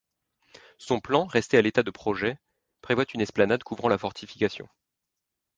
Son plan, resté à l'état de projet, prévoit une esplanade couvrant la fortification.